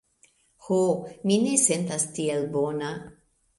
Ho, mi ne sentas tiel bona.